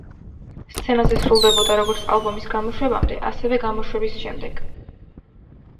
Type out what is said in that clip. სცენაზე სრულდებოდა როგორც ალბომის გამოშვებამდე, ასევე გამოშვების შემდეგ.